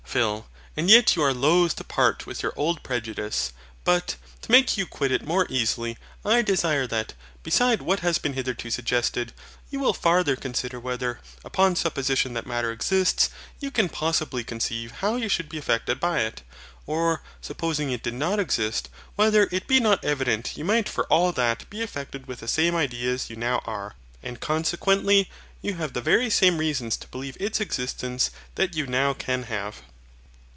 PHIL. And yet you are loath to part with your old prejudice. But, to make you quit it more easily, I desire that, beside what has been hitherto suggested, you will farther consider whether, upon supposition that Matter exists, you can possibly conceive how you should be affected by it. Or, supposing it did not exist, whether it be not evident you might for all that be affected with the same ideas you now are, and consequently have the very same reasons to believe its existence that you now can have.